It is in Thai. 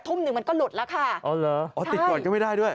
หนึ่งมันก็หลุดแล้วค่ะอ๋อเหรออ๋อติดก่อนก็ไม่ได้ด้วย